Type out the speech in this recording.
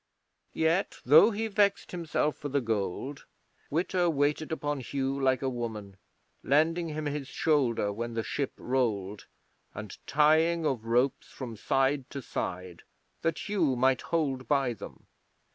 'Yet, though he vexed himself for the gold, Witta waited upon Hugh like a woman, lending him his shoulder when the ship rolled, and tying of ropes from side to side that Hugh might hold by them.